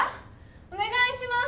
おねがいします！